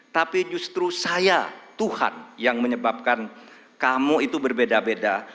tapi justru saya tuhan yang menyebabkan kamu itu berbeda beda